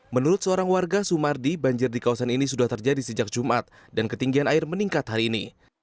menurut seorang warga sumardi banjir di kawasan ini sudah terjadi sejak jumat dan ketinggian air meningkat hari ini